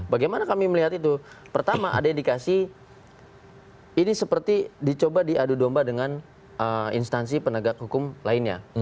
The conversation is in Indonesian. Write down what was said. bagaimana kami melihat itu pertama ada indikasi ini seperti dicoba diadu domba dengan instansi penegak hukum lainnya